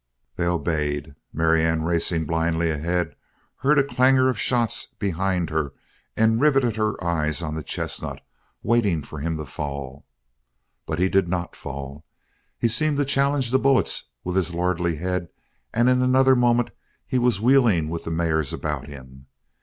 They obeyed; Marianne, racing blindly ahead, heard a clanguor of shots behind her and riveted her eyes on the chestnut, waiting for him to fall. But he did not fall. He seemed to challenge the bullets with his lordly head and in another moment he was wheeling with the mares about him.